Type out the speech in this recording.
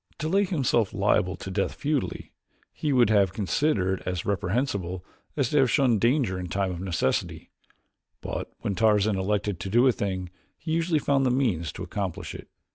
To lay himself liable to death futilely, he would have considered as reprehensible as to have shunned danger in time of necessity; but when Tarzan elected to do a thing he usually found the means to accomplish it.